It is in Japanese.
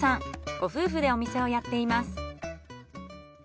ご夫婦でお店をやっています。